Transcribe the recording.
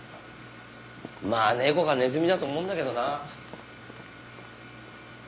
まあ猫かネズミだと思うんだけどな。